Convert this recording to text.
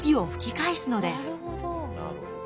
なるほど。